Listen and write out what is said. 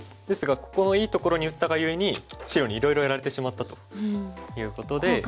ですがここのいいところに打ったがゆえに白にいろいろやられてしまったということで。